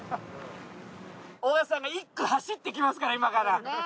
尾形さんが１区走ってきますから今から。